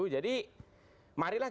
jadi marilah kita lihat